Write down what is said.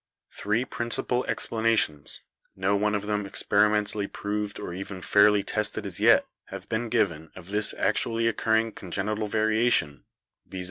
"Three principal explanations, no one of them experi mentally proved or even fairly tested as yet, have been given of this actually occurring congenital variation, viz.